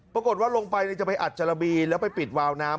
ปรากฏว่าลงไปจะไปอัดจาระบีแล้วไปปิดวาวน้ำ